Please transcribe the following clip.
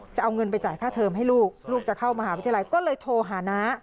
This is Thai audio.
จะเอาเงินไปจ่ายค่าเทิมให้ลูกลูกจะเข้ามหาวิทยาลัยก็เลยโทรหาน้า